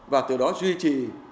và từ đó duy trì